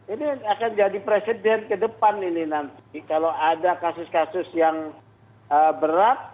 ini akan menjadi presidenmu ke depan kalau ada kasusnya berat